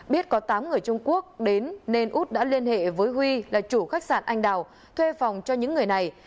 biết có tám người trung quốc đến nên út đã liên hệ với huy là chủ khách sạn anh đào thuê phòng cho những người này